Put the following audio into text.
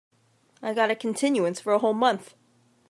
I got a continuance for a whole month.